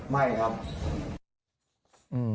ไม่ครับ